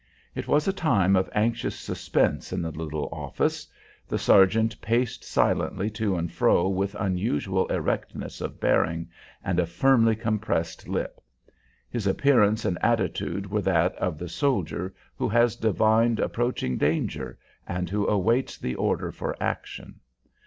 It was a time of anxious suspense in the little office. The sergeant paced silently to and fro with unusual erectness of bearing and a firmly compressed lip. His appearance and attitude were that of the soldier who has divined approaching danger and who awaits the order for action.